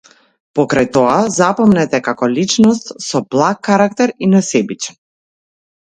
Покрај тоа, запомнет е како личност со благ карактер и несебичен.